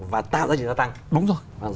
và tạo ra giá trị gia tăng